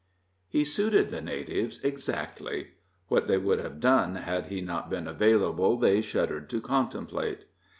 He suited the natives exactly. What they would have done had he not been available, they shuddered to contemplate.